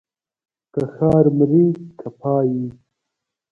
که ښار مرې که پايي.